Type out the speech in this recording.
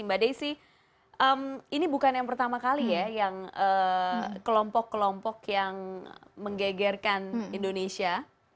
mbak desi ini bukan yang pertama kali ya yang kelompok kelompok yang menggegerkan indonesia